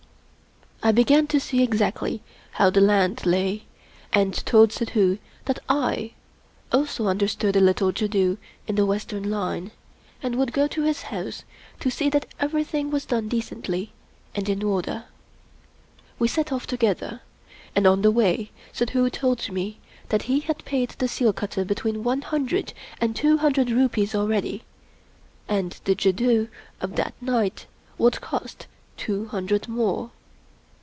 I began to see exactly how the land lay, and told Suddhoo that / also understood a little jadoo in the Western line, and would go to his house to see that everything was done decently and in order. We set off together; and on the way Suddhoo told me that he had paid the seal cutter between one hundred and two hun dred rupees already; and the jadoo of that night would cost two hundred more.